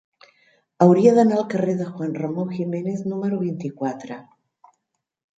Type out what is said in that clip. Hauria d'anar al carrer de Juan Ramón Jiménez número vint-i-quatre.